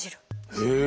へえ！